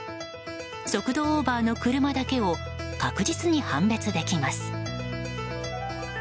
速度オーバーの車だけを確実に判別できます。